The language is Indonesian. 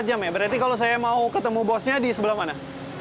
dua jam ya berarti kalau saya mau ketemu bosnya di sebelah mana